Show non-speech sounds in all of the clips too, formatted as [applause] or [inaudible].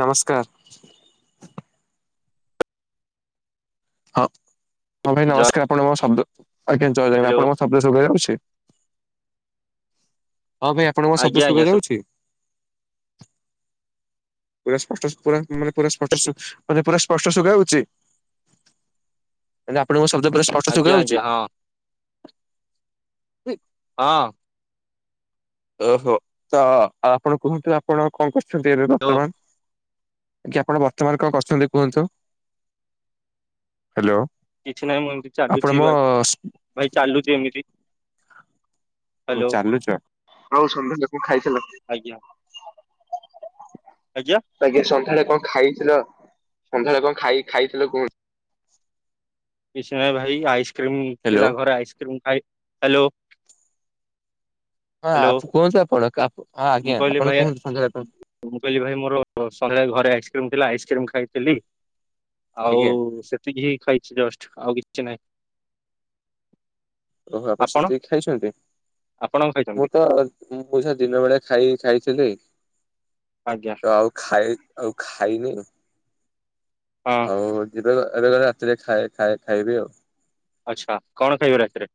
ନମସ୍କାର। ହଁ ହଁ ଭାଇ ଜୟ ନମସ୍କାର ଆପଣ ମୋ ଶବ୍ଦ ଆଜ୍ଞା ଜୟ ଜଗନ୍ନାଥ ହ୍ୟାଲୋ ଆପଣ ମୋ ଶବ୍ଦ ଶୁଭା ଯାଉଛି। ହଁ ଭାଇ ଆପଣଙ୍କଣ ଶବ୍ଦ ଆଜ୍ଞା ଆଜ୍ଞା ଶୁଭା ଯାଉଛି। ପୁରା ସ୍ପଷ୍ଟ ପୁର ମାନେ ପୁର ଶୁଭୁଛି ସ୍ପଷ୍ଟ ମାନେ ପୁରା ସ୍ପଷ୍ଟ ସୁଗା ଯାଉଛି। ଆପଣଙ୍କୁ ଶବ୍ଦ ପୁରା ସ୍ପଷ୍ଟ ସୁଗା ଆଜ୍ଞା ଯାଉଛି। ଆଜ୍ଞା ହଁ ହୁଁ [unintelligible] ହଁ। ଓହୋ ତ ଆପଣ କୁହନ୍ତୁ ଆପଣ କଣ କରୁଛନ୍ତି? ଏବେ ହ୍ୟାଲୋ ବର୍ତ୍ତମାନ ଆଜ୍ଞା ଆପଣ ବର୍ତ୍ତମାନ କଣ କରୁଛନ୍ତି କୁହନ୍ତୁ? ହ୍ୟାଲୋ କିଛି ନାହିଁ ମୁଁ ଏମତି ଆପଣ ଚାଲୁଛିା ମୋ ଭାଇ ଚାଲୁଛି ଏମିତି। ଓ ହ୍ୟାଲୋ ଚାଲୁଛ ଆଉ ସନ୍ଧ୍ୟା ଲୋକ ଖାଇ ସା ଆଜ୍ଞା ଆଜ୍ଞା ସନ୍ଧ୍ୟାରେ କଣ ଖାଇଥିଲ ସନ୍ଧ୍ୟାରେ କଣ ଖାଇ ଖାଇଥିଲ କୁହନ୍ତୁ? କିଛି ନାଇଁ ଭାଇ ଆଇସ୍କ୍ରିମ ହ୍ୟାଲୋ ଥିଲା ଘରେ ଆଇସ୍କ୍ରିମ ଖାଇ ହାଲୋ। ହଁ ଆଫୁ କଉଠି ଆପଣ କା ମୁଁ କହିଲି ଭାଇ ମୁଁ କହିଲି ଭାଇ ମୋର ସନ୍ଧ୍ୟା ରେ ଘରେ ଆଇସ୍କ୍ରିମ ଥିଲା ଆଇସ କ୍ରିମ ଖାଇଥିଲି ଆଉ ଆଜ୍ଞା। ସେତିକି ହିଁ ଖାଇଚି ଜଷ୍ଟ। ଆଉ କିଛି ନାହିଁ। ଓହୋ ଆପଣ ସେତିକି ଖାଇଛନ୍ତି ଆପଣ କଣ ମୁଁ ଖାଇଛନ୍ତି ତ ମୁଁ ଯାହା ଦିନ ବେଳା। ଖାଇ ଖାଇଥିଲି ଆଜ୍ଞା ତ ଆଉ ଖାଇ ଆଉ ଖାଇନି। ହଁ ଆଉ ଯିବେ ଏବେ ଗଲେ ରାତିରେ ଖାଏ ଖାଏ ଖାଇବି ଆଉ। ଆଚ୍ଛା କଣ ଖାଇବ ରାତିରେ?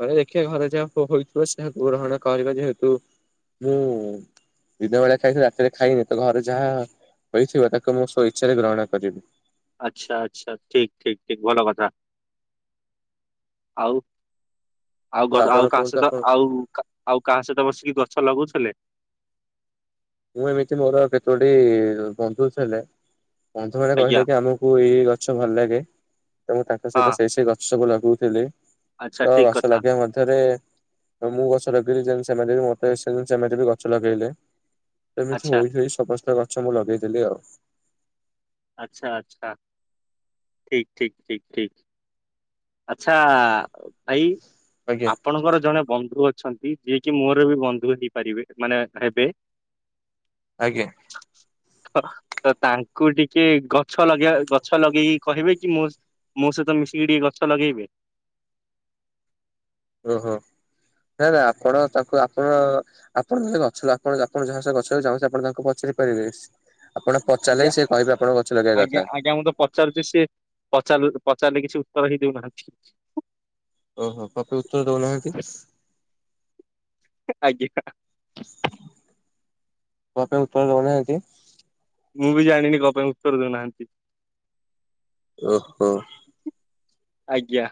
ଘରେ ଦେଖିବା ଘରେ ଯାହା ହୋ-ହୋଇଥିଵ ସେୟା ଗ୍ରରଣ କରିବା ଯେହେତୁ ମୁଁ। ଦିନ ବେଳା ଖାଇଚି ରାତିରେ ଖାଇନି ତ ଘରେ ଯାହା ହୋଇଥିବ ତାକୁ ମୁଁ ସ୍ୱ ଇଚ୍ଛାରେ ଗ୍ରହଣ କରିବି। ଆଚ୍ଛା ଆଚ୍ଛା ଠିକ ଠିକ ଠିକ ଭଲ କଥା। ଆଉ। ଆଉ ତ ଗ ଆପଣ ଆଉ କାହା କୁହନ୍ତୁ ସହିତ ଆପଣ ଆଉ କା ଆଉ କାହା ସହିତ ବସିକି ଗଛ ଲଗଉ ଲେ। ମୁଁ ଏମିତି ମୋର କେତୋଟି ବନ୍ଧୁ ଥିଲେ। ବନ୍ଧୁ ମାନେ ଆଜ୍ଞା କହିଲେ କି ଆମକୁ ଏଇ ଗଛ ଭଲ ଲାଗେ ତ ମୁଁ ତାଙ୍କ ହଁ ସହିତ ସେଇ ସେଇ ଗଛକୁୁ ଲ ଗଉଥିଲି ଆଚ୍ଛା ତ ଠିକ ଗଛ କଥା ଲଗେଇବା ମଧ୍ୟରେ। ମୁଁ ଗଛ ଲଗେଇଲି ଯେମିତି ସେମାନେ ବି ମୋତେ ସେ ସେମାନେ ବି ଗଛ ଲଗେଇଲେ। ସେମିତି ଆଚ୍ଛା ହୋଇ ହୋଇ ସମସ୍ତେ ଗଛ ମୁଁ ଲଗେଇଦେଲି ଆଉ। ଆଚ୍ଛା ଆଚ୍ଛା। ଠିକ ଠିକ ଠିକ ଠିକ ଆଚ୍ଛା ଭାଇ। ଆଜ୍ଞା ଆପଣଙ୍କର ଜଣେ ବନ୍ଧୁ ଅ ଅଛନ୍ତି ଯିଏ କିି ମୋର ବି ବନ୍ଧୁ ହେଇପାରିବେ ମାନେ ହେବେ। ଆଜ୍ଞା। ହ ତ ତାଙ୍କୁ ଟିକେ ଗଛ ଲଗେଇଆ ଗଛ ଲଗେଇକି କହିବେ କି ମୋର ମୋ ସହ ତ ମିଶିକି ଟିକେ ଗଛ ଲଗେଇବେ। ଓ ହୋ। ନା ନା ଆପଣ ତାଙ୍କୁ ଆପଣ ଆପଣ [unintelligible] ଗଛ ଆପଣ ଆପଣ ଯାହା ସେ ଗଛରେ ଚାହୁଁଚ ଆପଣ ତାଙ୍କୁ ପଚା ରିପାରିବେ। ଆଜ୍ଞା କଥା। ଆଜ୍ଞା ଆଜ୍ଞା ମୁଁ ତ ପଚାରୁଛି ସେ ପଚାରଲୁ ପଚାରିଲେ କି। ଛି ଉତ୍ତର ହିଁ ଦେଉନାହାନ୍ତି। ଓହୋ ପପି ଉତ୍ତର ଦଉନାହାନ୍ତି ୟେସ। ଆଜ୍ଞା। କଣ ପାଇଁ ଉତ୍ତର ଦଉନାହାଁନ୍ତି। ମୁଁ ବି ଜାଣିନି କଣ ପାଇଁ ଉତ୍ତର ଦଉନାହାନ୍ତି। ଓ ହୋ। ଆଜ୍ଞା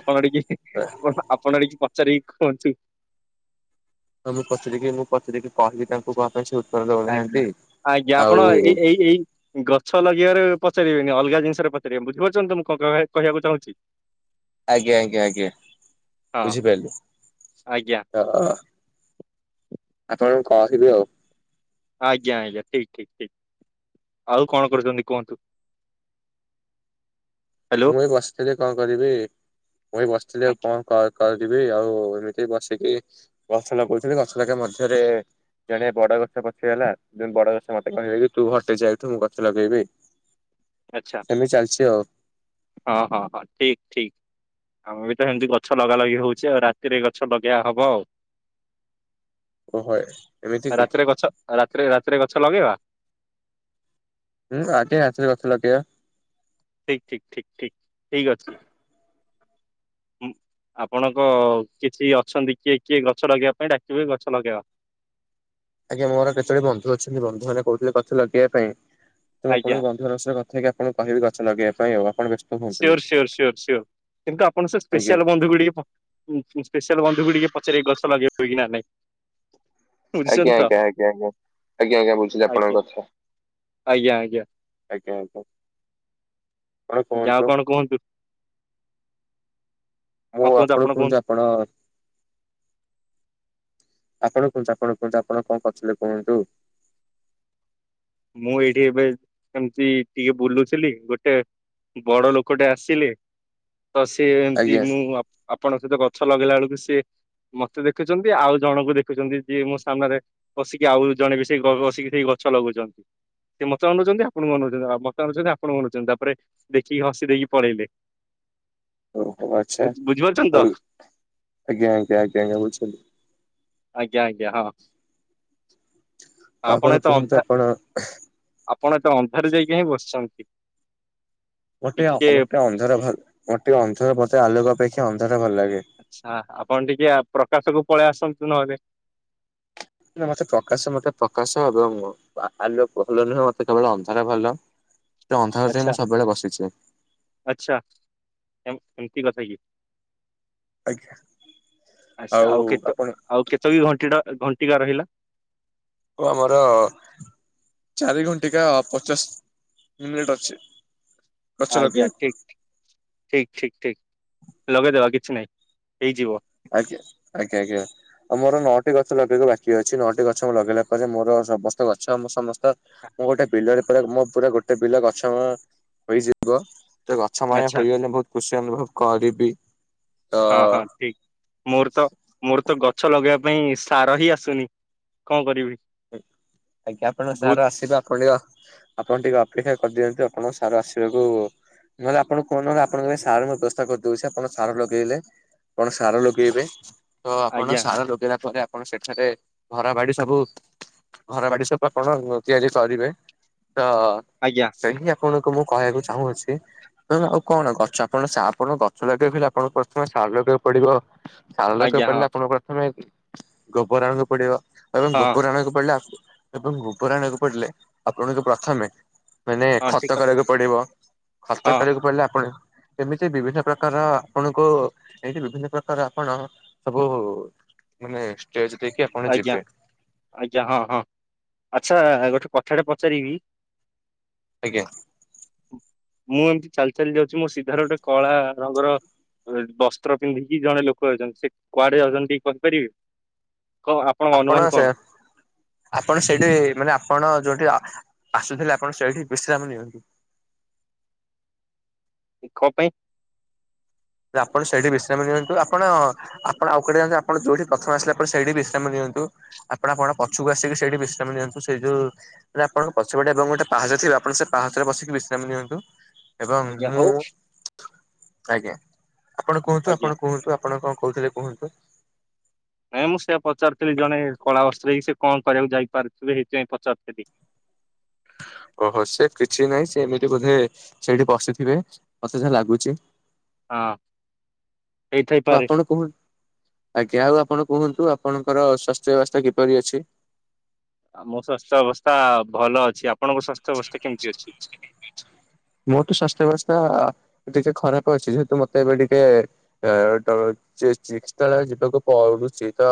ଆପଣ ଟିକେ ଆପଣ ଆପଣ ଟିକେ ପଚାରିକି କୁହନ୍ତୁ। ହଉ ମୁଁ ପଚାରିକି ମୁଁ ପଚାରିକି କହିବି ତାଙ୍କୁ କଣ ପାଇଁ ସେ ଉ ଆଜ୍ଞା ଆଜ୍ଞା ଆପଣ ଏଇ ଏଇ ଏଇ ଗଛ ଲଗେଇବାରେ। ପଚାରିବେନି ଅଲଗା ଜିନିଷରେ ପଚାରିବେ ବୁଝିପାରୁଛନ୍ତି ତ ମୁଁ କ କହିବା କହିବାକୁ ଚାହୁଁଛି। ଆଜ୍ଞା ଆଜ୍ଞା ଆଜ୍ଞା ହଁ ବୁଝିପାରିଲି। ଆଜ୍ଞା ହଁ ଆପଣଙ୍କୁ କହିବି ଆଉ। ଆଜ୍ଞା ଆଜ୍ଞା ଠିକ ଠିକ ଠିକ ଆଉ କଣ କରୁଛନ୍ତି କୁହନ୍ତୁ। ହ୍ୟାଲୋ। ମୁଁ ଏଇ ବସିଥିଲି କଣ କରିବି ମୁଁ ଏଇ ବସିଥିଲି ଆଉ ଆଜ୍ଞା କଣ କ କରିିବି ଆଉ ଏମିତି ବସିକି ଗଛ ଲଗଉଥିଲି ଗଛ ଲଗେଇବା ମଧ୍ୟରେ। ଜଣେ ବଡ ଗଛ ପଛେଇଗଲା [unintelligible] ବଡ ଗଛ ମତେ କହିବ କି ତୁ ହଟି ଯା ଏଠୁ ମୁଁ ଗଛ ଲଗେଇବି। ଆଚ୍ଛା ସେମିତି ଚାଲିଛି ଆଉ। ହଁ ହଁ ହଁ ଠିକ୍ ଠିକ୍। ଆମେ ବି ତ ହେମତି ଗଛ ଲଗା ଲଗି ହଉଛି। ଆଉ ରାତିରେ ଗଛ ଲଗେଇଆ ହବ ଆଉ। ଓହୋ ଏମିତି କି ରାତିରେ ଗଛ! ରାତିରେ, ରାତିରେ ଗଛ ଲଗେଇବା? ହୁଁ, ଆଜି ଆସିଲେ ଗଛ ଲଗେଇଆ। ଠିକ୍ ଠିକ୍ ଠିକ୍ ଠିକ୍ ଠିକ୍ ଅଛି। ଉଁ, ହ ଆପଣଙ୍କ କିଛି ଅଛନ୍ତି, କିଏ? କିଏ? ଗଛ ଲଗେଇବା ପାଇଁ ଡାକିବ? ଗଛ ଲଗେଇବା। ଆଜ୍ଞା, ମୋର କେତୋଟି ବନ୍ଧୁ ଅଛନ୍ତି। ବନ୍ଧୁ ମାନେ କହୁଥିଲେ ଗଛ ଲଗେଇବା ପାଇଁ? ତ ମୁଁ ଆଜ୍ଞା। ଆପଣଙ୍କୁ ବନ୍ଧୁମାନଙ୍କ ସହ କଥା ହେଇକି, ଆପଣଙ୍କୁ କହିବି, ଗଛ ଲଗେଇବା ପାଇଁ ଆଉଁ। Sure sure sure sure! କିନ୍ତୁ, ଆପଣ ସେ ଆଜ୍ଞା। ସ୍ପେସିଆଲ ବନ୍ଧୁକୁ ଟିକେ, ପ ସ୍ପେଶାଲ ବନ୍ଧୁ କୁ ଟିକେ ପଚାରିକି ଗଛ ଲଗେଇବ କି ନା ନାଇଁ? ଆଜ୍ଞା ବୁଝୁଛନ୍ତି ତ ଆଜ୍ଞା ଆଜ୍ଞା ଆଜ୍ଞା ଆଜ୍ଞା ଆଜ୍ଞା, ବୁଝିଲି ଆଜ୍ଞା ଆପଣଙ୍କ କଥା। ଆଜ୍ଞା ଆଜ୍ଞା ଆଜ୍ଞା ଆଜ୍ଞା। ଆପଣ କୁହନ୍ତୁ ଯାଅ କଣ କୁହନ୍ତୁ? ମୁଁ ହଁ କୁହନ୍ତୁ ଆପଣକୁ ଯା କୁହନ୍ତୁ ଆପଣ ଆପଣ କୁହନ୍ତୁ? ଆପଣ କୁହନ୍ତୁ? ଆପଣ କଣ କରୁଥିଲେ କୁହନ୍ତୁ? ମୁଁ ଏଇଠି ଏବେ କେମିତି ଟିଏ ବୁଲୁଥିଲି। ଗୋଟେ ବଡ ଲୋକଟେ ଆସିଲେ! ତ ସି ଏମତି ଆଜ୍ଞା। ମୁଁ ଆପ୍ ଆପଣଙ୍କ ସହିତ ଗଛ ଲଗେଇଲା ଅଳକୁ ସିଏ ମତେ ଦେଖୁଛନ୍ତି। ଆଉ ଜଣଙ୍କୁ ଦେଖୁଛନ୍ତି, ଯିଏ ମୋ ସାମ୍ନାରେ ବସିକି ଆଉ ଜଣେ ବି ସେଇ ବସିକି ସେଇ ଗଛ ଲଗଉଛନ୍ତି। ସେ ମତେ ଅନଉଛନ୍ତି। ଆପଣଙ୍କୁ ଅନଉଛନ୍ତି, ମତେ ଅନଉଛନ୍ତି, ଆପଣଙ୍କୁ ଅନଉଛନ୍ତି, ତାପରେ ଦେଖିକି ହସି ଦେଇକି ପଳେଇଲେ। ଆଚ୍ଛା, ବୁଝ- ବୁଝିପାରୁଛନ୍ତି ତ ଆଜ୍ଞା ଆଜ୍ଞା ଆଞା ଆଜ୍ଞ, ବୁଝିଲି। ଆଜ୍ଞା ଆଜ୍ଞା, ହଁ। ଆପଣ ଏତେ କୁହନ୍ତୁ। ଅନ୍ଧା ଆପଣ ଆପଣ, ଏତେ ଅନ୍ଧାରେ ଯାଇକି କାହିଁ ବସିଛନ୍ତି। ଗୋଟେ, ଟିକେ ଓଟେ ଅନ୍ଧର ଘର, ଗୋଟେ ଅନ୍ଧର ବୋତେ ଆଲୋକ ଅପେକ୍ଷା ଅନ୍ଧାର ଭଲ ଲାଗେ। ଆଛା। ଆପଣ ଟିକେ ପ୍ରକାଶକୁ ପଳେଇ ଆସନ୍ତୁ ନହେଲେ। ମତେ ପ୍ରକାଶ, ମତେ ପ୍ରକାଶ ଏବଂ ଆଲୁଅ ଭଲ ନୁହେଁ। ମତେ କେବଳ ଅନ୍ଧାର ଭଲ। ଏ ଅନ୍ଧକାର ଯାଏଁ, ଆଚ୍ଛା ମୁଁ ସବୁବେଳେ ବସିଛି। ଆଚ୍ଛା ଏମିତି କଥା କି! ଆଜ୍ଞା ଆଛା। ଆଉ କେତ ଆଉ କେତ ବି ଘଣ୍ଟି ଟା ଘଣ୍ଟିକା ରହିଲା। ଓ ଆମର ଚାରି ଘୁଣ୍ଟିକା ପଚାଶ ମିନିିଟ୍ ଅଛି। ଗଛ ଲଗେଇବା ଆଜ୍ଞା। ଠିକ୍ ଠିକ୍ ଠିକ୍ ଠିକ୍। ଲଗେଇଦବା କିଛି ନାହିଁ। ହେଇଯିବ। ଅଜ୍ଞା, ଆଜ୍ଞା ଆଜ୍ଞା, ଆଉ ମୋର ନଅଟି ଗଛ ଲଗେଇବାକୁ ବାକି ଅଛି। ନଅଟି ଗଛ ଲଗେଇଲା ପରେ, ମୋର ସମସ୍ତ ଗଛ, ଆମ ସମସ୍ତ ତ ମୁଁ ଗୋଟେ ବିଲରେ ପୁରା, ମୋ ପୁରା ଗୋଟେ ବିଲ ଗଛମୟ ହୋଇଯିବ। ତ ଗଛମୟ ଆଚ୍ଛା ହୋଇଗଲେ, ବହୁତ ଖୁସି ଅନୁଭବ କରିବି। ତ ହଁ ହଁ ଠିକ ମୋର ତ, ମୋର ତ ଗଛ ଲଗେଇବା ପାଇଁ ସାର ହି ଆସୁନି। କଣ କରିବି? ଆ-ଆଜ୍ଞା, ଆପଣ ବହୁତ ସାର ଆସିବା ପଡ଼ିବ। ଆପଣ ଟିକେ ଅପ୍ ଅପେକ୍ଷା କରିଦିଅନ୍ତୁ। ଆପଣଙ୍କ ସାର୍ ଆସିବାକୁ ନହେଲେ, ଆପଣଙ୍କୁ କୁହ ନହେଲେ, ଆପଣଙ୍କ ପାଇଁ ସାର ବ୍ୟବସ୍ଥା କରିଦେଉଛି, ଆପଣ ସାର ଲଗେଇଲେ। କଣ ସାର ଲଗେଇବେ। ତ ଆପଣ ଆଜ୍ଞା ସାର ଲଗେଇଲା ପରେ, ଆପଣ ସେଠାରେ ଧରା ବାଡି ସବୁ ଘର ବାଡି ସବୁ ଆପଣ ତିଆରି କରିବେ। ତ, ଆଜ୍ଞା ସେହିଁ ଆପଣ ମୁଁ କହିବାକୁ ଚାହୁଁଅଛି, ଆଉ କଣ ଗଛ, ଆପଣ ସା ଆପଣ ଗଛ ଲଗେଇଲେ, ଆପଣ ପ୍ରଥମେ ସାର କରିବାକୁ ପଡିବ। ଚାଳ ରଖ ଆଜ୍ଞା ପିଲେ ହଁ ଆପଣଙ୍କୁ ପ୍ରଥମେ, ଗୋବରାଣକୁ ପଡିବ। ଏବଂ ହଁ ଗୋବରାଣକୁ ଏବଂ ଭୂ ପରାଣକୁ ପଡିଲେ। ଆପଣଙ୍କୁ ପ୍ରଥମେ ମାନେ ହଁ ଖତ ଠିକ କଥା କରିବାକୁ ପଡିବ। ଖତ ହଁ କରିବାକୁ ପଡିଲେ, ଆପଣ ଏମିତି ବିଭିନ୍ନ ପ୍ରକାର ଆପଣଙ୍କୁ, ଏମିତି ବିଭିନ୍ନ ପ୍ରକାର ଆପଣ ସବୁ ମାନେ ଷ୍ଟେଜ ଦେଇକି ଆପଣ ଆଜ୍ଞା। ଯିବେ ଆଜ୍ଞା। ହଁ ହଁ। ଆଚ୍ଛା, ଗୋଟେ କଥାଟା ପଚାରିବି? ଆଜ୍ଞା। ମୁଁ ଏମିତି ଚାଲି ଚାଲି ଯାଉଛି ମୋ ସିଧାର ଗୋଟେ କଳା ରଙ୍ଗର ବସ୍ତ୍ର ପିନ୍ଧିକି ଜଣେ ଲୋକ ଅଛନ୍ତି। ସେ କୁଆଡେ ଅଛନ୍ତି ଟ କହିପାରିବେ। କଣ ଆପଣଙ୍କ ଆପଣ ଅନୁମାନ ସେ, କଣ ଆପଣ ସେଇଠି। ମାନେ ଆପଣ ଯୋଉ ଆସୁଥିଲେ। ଆପଣ ସେଇଠି ବିଶ୍ରାମ ନିଅନ୍ତୁ। ଦେ। କ ପାଇଁ। ଆପଣ ସେଇଠି ବିଶ୍ରାମ ନିଅନ୍ତୁ। ଆପଣ, ଆପଣ ଆଉେ ଯାନ୍ତୁ। ଆପଣ ଯଉଠି ପ୍ରଥମ ଆସିଲା ପରେ ସେଠି ବିଶ୍ରାମ ନିଅନ୍ତୁ। ଆପଣ ଆପଣ ପଛକୁ ଆସିକି ସେଇଠି ବିଶ୍ରାମ ନିଅନ୍ତୁ। ସେଇ ଯୋଉ ଆପଣଙ୍କ ପଛ ବାଟେ, ଗୋଟେହା ଯ ଥିବ ଆପଣ ସେ ପାହାଚ ହାତରେ ବସିକି ବିଶ୍ରାମ ନିଅନ୍ତୁ। ଏବଂ, ଆଜ୍ଞା ମୁଁ। ହଉ ଆଜ୍ଞା। ଆପଣ କୁହନ୍ତୁ। ଆଜ୍ଞା ଆପଣ କୁହନ୍ତୁ। ଆପଣଙ୍କ କହୁଥିଲେ କୁହନ୍ତୁ। ନାଇଁ। ମୁଁ ସେଆ ପଚାରୁଥିଲି। ଜଣେ କଳା ବସ୍ତ୍ର ହେଇକି, ସେ କଣ କରିବାକୁ ଯାଇପାରୁଥିବେ। ସେଇଥିପାଇଁ ପଚାରୁଥିଲି। [inaudible] ଓହୋ। ସେ କିଛି ନାହିଁ। ସେ ଏମିତି ବୋଧେ ସେଇଠି ବଶିଥିବେ। ମତେ ଯାହା ଲାଗୁଛି। ହଁ ହେଇଥାଇପାରେ ଆପଣ କୁହନ୍ତୁ। ଆଜ୍ଞା ଆଉ ଆପଣ କୁହନ୍ତୁ ଆପଣଙ୍କର ସ୍ୱାସ୍ଥ୍ୟ ବ୍ୟବସ୍ଥା କିପରି ଅଛି? ଆମ ସ୍ୱାସ୍ଥ୍ୟ ଅବସ୍ଥା ଭଲ ଅଛି। ଆପଣଙ୍କ ସ୍ୱାସ୍ଥ୍ୟ ଅବସ୍ଥା କେମିତି ଅଛି [unintelligible] ମୋ ତ ସ୍ୱାସ୍ଥ୍ୟ ବେବସ୍ତା ଟିକେ ଖରାପ ଅଛି ଜେହେ ତୁ ମତେ ଏବେ ଟିକେ ଚିକିତ୍ସାଳୟ ଯିବାକୁ ଛି ତ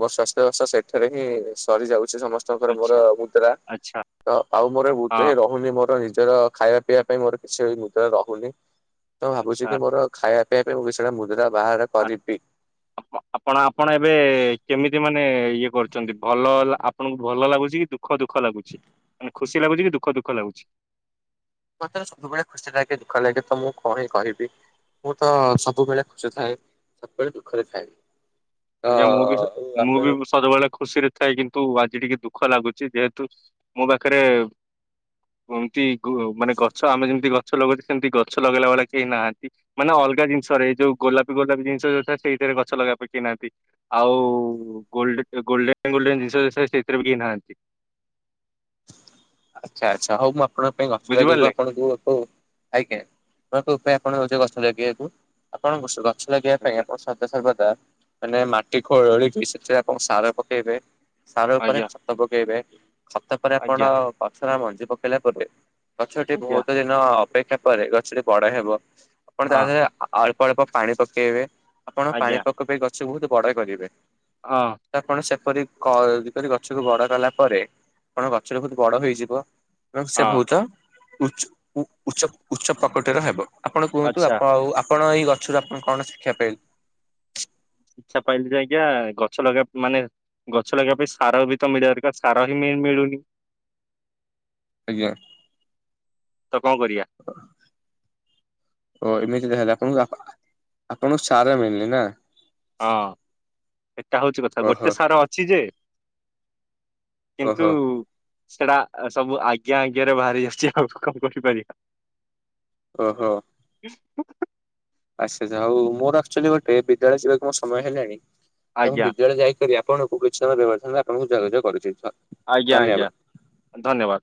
ମୋର ସ୍ବାସ୍ଥ୍ୟ ବ୍ୟବସ୍ଥା ସେଠାରେ ହିଁ ସରିଯାଉଛି। ସମସ୍ତଙ୍କର ମୋର ଆଚ୍ଛା ମୁଦ୍ରା ଆଚ୍ଛା ତ ଆଉ ମୋର ହଁ ମୁଦ୍ରା ରହୁନି ମୋର ନିଜର ଖାଇବା ପିବା ପାଇଁ ମୋର କିଛି ମୁଦ୍ରା ରହୁନି ତ ଭାବୁଛି କି ମୋର ଖାଇବା ପପା ମୁଦ୍ରା ବାହାର ଆ କରିବି। ଆପଣ ଆପଣ ଏବେ କେମିତି ମାନେ ଇଏ କରୁଛନ୍ତି ଭଲ ଆପଣଙ୍କୁ ଭଲ ଲାଗୁଛି କି ଦୁଃଖ ଦୁଃଖ ଲାଗୁଛି ମାନେ ଖୁସି ଲାଗୁଛି କି ଦୁଃଖ ଦୁଃଖ ଲାଗୁଛି। ମତରେ ସବୁବେଳେ ଖୁସି ଲାଗେ ଦୁଃଖ ଲାଗେ ତ ମୁଁ କଣ କହିବି। ମୁଁ ତ ସବୁବେଳେ ଖୁସି ଥାଏ ସବୁବେଳେ ଦୁଃଖରେ ଥାଏ। ତ ଆଜ୍ଞା ମୁଁ ବି ମୁଁ ଆପଣ ବି ସବୁବେଳେ ଖୁସିରେ ଥାଏ କିନ୍ତୁ ଆଜି ଟିକେ ଦୁଃଖ ଦୁଃଖ ଲାଗୁଛି ଯେହେତୁ ମୋ ପାଖରେ ଏମତି ମାନେ ଗଛ ଆମେ ଯେମିତି ଗଛ ଲଗାଉଛେ ସେମିତି ଗଛ ଲଗେଇଲା ଭଳିଆ କେହି ନାହାନ୍ତି ମାନେ ଅଲଗ ଜିନିଷରେ ଯୋଉ ଗୋଲାପ ଗୋଲାପୀ ଜିନିଷ ଯଉଟ ସେଇଥିରେ ଗଛ ଲଗବା ପ କି ନାହାନ୍ତି। ଆଉ ଗୋ ଗୋଲ୍ଡେନ ଗୋଲ୍ଡେନ ଜିନିଷ ସେଥିରେ ବି କେହି ନାହାନ୍ତି। [inaudible] ଆଚ୍ଛା ଆଚ୍ଛା ହଉ ମୁଁ ଆପଣଙ୍କ ପାଇଁ ଅସ ଯ ବୁଝିପାରିଲେ ଆପଣଙ୍କୁ ଆଜ୍ଞା ଆପଣ ଉପାୟ ଆପଣ ହଉଛେ ଗଛ ଲଗେଇବାକୁ ଆପଣ ଗଛ ଲଗେଇବା ପାଇଁ ଆଜ୍ଞା ଆପଣ ସଦା ସର୍ବଦା ମାନେ ମାଟି ଖୋଳିକି ସେଥିରେ ଆପଣ ସାର ପକେଇବେ ସାର ଉପରେ ଆଜ୍ଞା ଖତ ପକେଇବେ ତାପରେ ଆପଣ ଆଜ୍ଞା ପଛର ମଞ୍ଜି ପକେଇଲା ପରେ ଗଛଟି ଆଜ୍ଞା ବହୁତ ଦିନ ଅପେକ୍ଷା ପରେ ଗଛଟି ବଡ ହେବ ଆପଣ ତା ହଁ ଦେହରେ ଅଳ୍ପ ଅଳ୍ପ ପାଣି ପକେଇବେ ଆପଣ ଆଜ୍ଞା। ପାଣିପଖ ପାଇଁ ଗଛ ବହୁତ ବଡ କରିବେ ହଁ ତ ଆପଣ ସେ କିପରି ଯେପରି ଗଛ କ ବଡ କଲା ପରେ ଆଣ ଗଛଟା ବହୁତ ବଡ ହେଇଯିବ ଏବଂ ସେ ହଁ ବହୁତ ଉଚ୍ଚ ଉଚ୍ଚ ଉଚ୍ଚ ପ୍ରକଟର ହେବ। ଆପଣ କୁହନ୍ତୁ ଆଚ୍ଛା ଆପଣ ଆଉ ଆପଣ ଏଇ ଗଛରୁ ଆପଣ କଣ ଶିକ୍ଷା ପାଇଲେ? ଶିକ୍ଷା ପାଇଲି ଯେ ଆଜ୍ଞା, ଗଛ ଲଗେଇବା ମାନେ ଗଛ ଲଗେଇବା ପାଇଁ ସାର ବି ତ ମିଳିବା ଦରକାର ସାର ହିଁ ମିଳୁନି। ଆଜ୍ଞା। ତ କଣ କରିବା? ଯେ ହେଲା ଆପଣଙ୍କୁ ଆପ ଆ ଆପଣଙ୍କୁ ସାର ମିଳୁନି ନା? ହଁ। ଏଟା ହଉଛି କଥା। ଓହୋ ଗୋଟେ ସାର ଅଛି ଯେ କିନ୍ତୁ ଓହୋ ସେଟା ସବୁ ଆଜ୍ଞା ଆଜ୍ଞା ରେ ବାହାରି ଆସୁଛି ଆଉ କଣ କରିପାରିବା। ଓହୋ ଆଚ୍ଛା ଆଚ୍ଛା ହଉ। ମୋର ଆକ୍ଚୁଆଲି ଗୋଟେ ବିଦ୍ୟାଳୟ ଯିବାକୁ ମୋ ସମୟ ହେଲାଣି, ତ ମୁଁ ଆଜ୍ଞା ବିଦ୍ୟାଳୟ ଯାଇକରି ଆପ ଆପଣଙ୍କୁ କିଛି ସମୟ ବ୍ୟବଧାନରେ ଆପଣଙ୍କୁ ଯୋଗାଯୋଗ କରୁଚି। ଆଜ୍ଞା ଆଜ୍ଞା ଧନ୍ୟବାଦ।